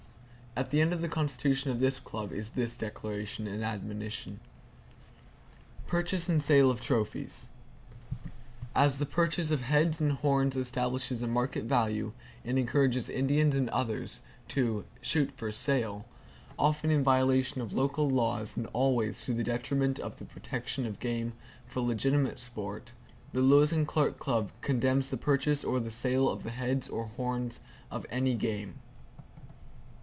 At the end of the constitution of this club is this declaration, and admonition: "Purchase and sale of Trophies.—As the purchase of heads and horns establishes a market value, and encourages Indians and others to "shoot for sale," often in violation of local laws and always to the detriment of the protection of game for legitimate sport, the Lewis and Clark Club condemns the purchase or the sale of the heads or horns of any game."